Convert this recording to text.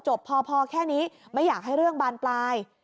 พอแค่นี้ไม่อยากให้เรื่องบานปลาย